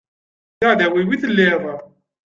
D aεdaw-iw i telliḍ.